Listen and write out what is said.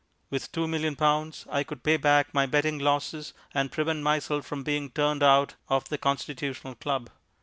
With two million pounds I could pay back my betting losses and prevent myself from being turned out of the Constitutional Club.